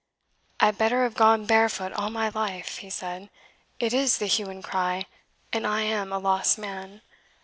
"I had better have gone barefoot all my life," he said; "it is the Hue and Cry, and I am a lost man.